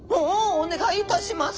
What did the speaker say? お願いいたします！